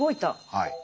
はい。